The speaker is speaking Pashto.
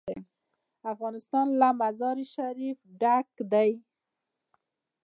افغانستان له مزارشریف ډک دی.